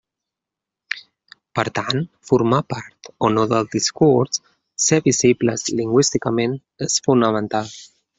Per tant, formar part o no del discurs, ser visibles lingüísticament és fonamental.